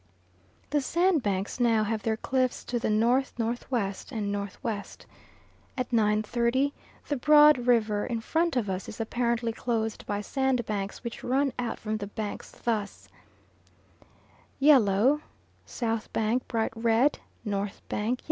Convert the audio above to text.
The sandbanks now have their cliffs to the N.N.W. and N.W. At 9.30, the broad river in front of us is apparently closed by sandbanks which run out from the banks thus: yellow} S. bank bright red} N. bank.